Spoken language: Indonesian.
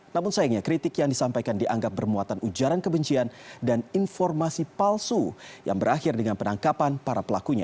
namun sayangnya kritik yang disampaikan dianggap bermuatan ujaran kebencian dan informasi palsu yang berakhir dengan penangkapan para pelakunya